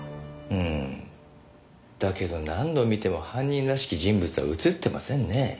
うんだけど何度見ても犯人らしき人物は映ってませんねえ。